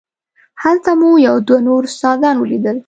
هلته مو یو دوه نور استادان ولیدل.